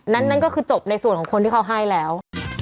นั่นก็คือจบในส่วนของคนที่เขาให้แล้ว